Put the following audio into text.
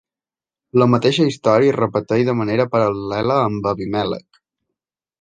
La mateixa història es repeteix de manera paral·lela amb Abimèlec.